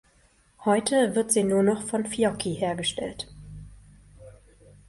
Heute wird sie nur noch von Fiocchi hergestellt.